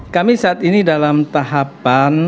kami saat ini dalam tahapan